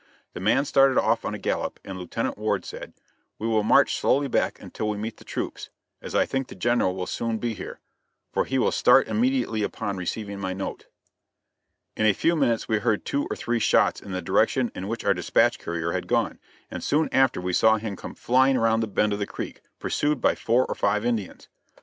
The man started off on a gallop, and Lieutenant Ward said: "We will march slowly back until we meet the troops, as I think the General will soon be here, for he will start immediately upon receiving my note." In a few minutes we heard two or three shots in the direction in which our dispatch courier had gone, and soon after we saw him come flying around the bend of the creek, pursued by four or five Indians.